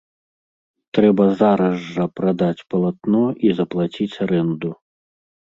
Трэба зараз жа прадаць палатно і заплаціць арэнду.